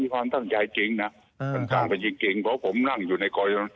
ความตั้งใจจริงนะมันตั้งเป็นจริงเพราะผมนั่งอยู่ในกอย